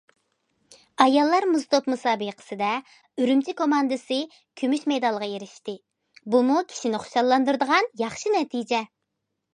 ئاياللار مۇز توپ مۇسابىقىسىدە ئۈرۈمچى كوماندىسى كۈمۈش مېدالغا ئېرىشتى، بۇمۇ كىشىنى خۇشاللاندۇرىدىغان ياخشى نەتىجە.